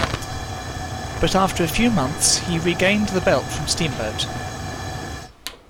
But after a few months, he regained the belt from Steamboat.